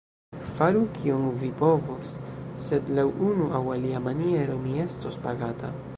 Faru, kion vi povos; sed, laŭ unu aŭ alia maniero, mi estos pagata.